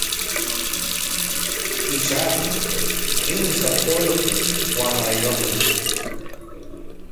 Ishaku kimsa ullqu wamrayuqmi.